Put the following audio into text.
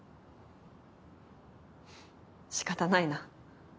仕方ないな。